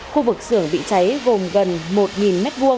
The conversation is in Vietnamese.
khu vực xưởng bị cháy gồm gần một m hai